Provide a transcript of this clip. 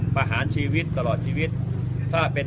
ประหารชีวิตตลอดชีวิตถ้าเป็น